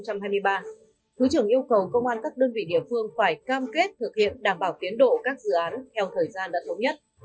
thứ trưởng yêu cầu công an các đơn vị địa phương phải cam kết thực hiện đảm bảo tiến độ các dự án theo thời gian đã thống nhất